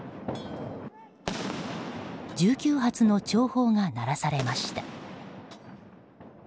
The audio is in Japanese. １９発の弔砲が鳴らされました。